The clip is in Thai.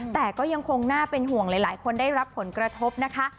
แต่ก็ยังคงน่าเป็นห่วงหลายคนได้รับผลกระทบนะคะ